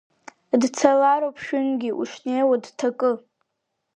Дцалароуп шәынтәгьы ушнеиуа дҭакы.